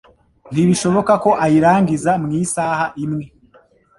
Ntibishoboka ko ayirangiza mu isaha imwe.